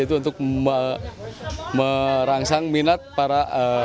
itu untuk merangsang minat para